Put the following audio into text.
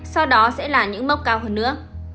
sau đó sẽ là những mốc cao hơn nữa